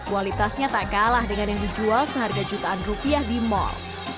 kualitasnya tak kalah dengan yang dijual seharga jutaan rupiah di mal